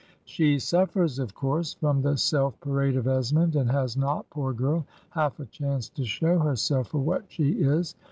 She suffers, of course, from the self parade of Esmond, and has not, poor girl, half a chance to show herself for what she is.